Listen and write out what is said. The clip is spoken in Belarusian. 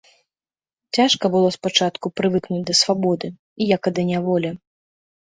Цяжка было спачатку прывыкнуць да свабоды, як і да няволі.